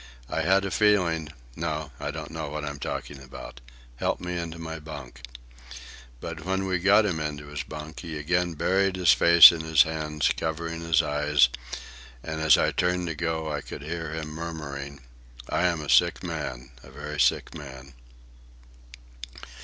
I had a feeling—no, I don't know what I'm talking about. Help me into my bunk." But when I got him into his bunk he again buried his face in his hands, covering his eyes, and as I turned to go I could hear him murmuring, "I am a sick man, a very sick man."